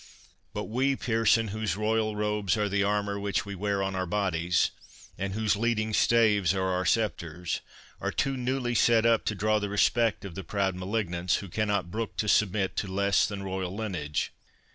But we, Pearson, whose royal robes are the armour which we wear on our bodies, and whose leading staves are our sceptres, are too newly set up to draw the respect of the proud malignants, who cannot brook to submit to less than royal lineage.